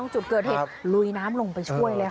จุดเกิดเหตุลุยน้ำลงไปช่วยเลยค่ะ